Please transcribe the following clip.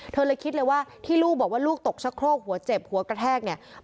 เธอเลยคิดเลยว่าที่ลูกบอกว่าลูกตกชะโครกหัวเจ็บหัวกระแทกเนี่ย